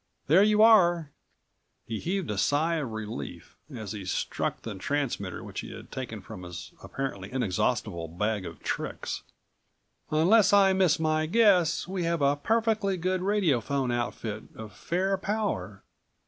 "There you are," he heaved a sigh of relief, as he struck the transmitter which he had taken from his apparently inexhaustible "bag of tricks." "Unless I miss my guess, we have a perfectly good radiophone outfit of fair power.